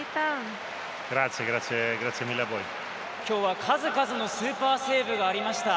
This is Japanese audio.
今日は数々のスーパーセーブがありました。